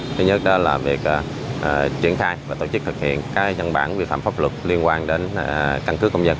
thứ nhất đó là việc triển khai và tổ chức thực hiện các dân bản vi phạm pháp luật liên quan đến căn cước công dân